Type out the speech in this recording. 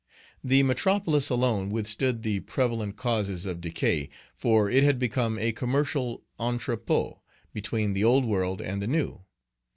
The metropolis alone withstood the prevalent causes of decay, for it had become a commercial entrepôt between the Old World and the New.